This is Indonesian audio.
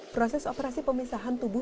proses operasi pemisahan tubuh